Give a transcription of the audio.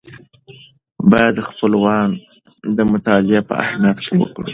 باید خپلوان د مطالعې په اهمیت پوه کړو.